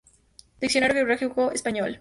Diccionario biográfico español.